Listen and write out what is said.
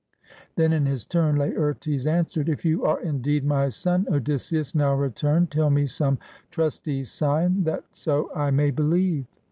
Then in his turn Laertes answered: "If you are indeed my son, Odysseus, now returned, tell me some trusty sign that so I may believe."